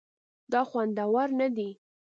دا خوندور نه دي